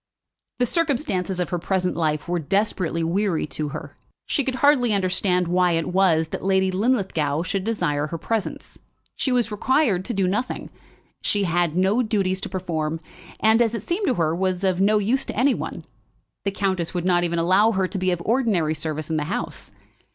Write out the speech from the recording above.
The circumstances of her present life were desperately weary to her. She could hardly understand why it was that Lady Linlithgow should desire her presence. She was required to do nothing. She had no duties to perform, and, as it seemed to her, was of no use to any one. The countess would not even allow her to be of ordinary service in the house.